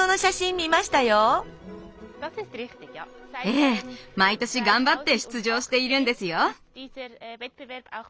ええ毎年頑張って出場しているんですよ。